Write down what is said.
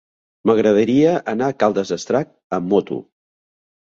M'agradaria anar a Caldes d'Estrac amb moto.